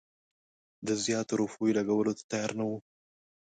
د زیاتو روپیو لګولو ته تیار نه وو.